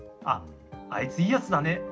あっあいついいやつだね